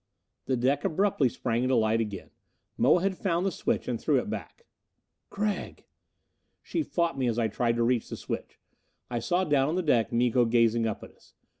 The deck abruptly sprang into light again. Moa had found the switch and threw it back. "Gregg!" She fought me as I tried to reach the switch. I saw down on the deck Miko gazing up at us.